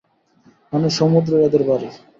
মানে, সমুদ্রই ওদের বাড়ি।